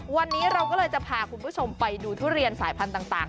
วันนี้เราก็เลยจะพาคุณผู้ชมไปดูทุเรียนสายพันธุ์ต่าง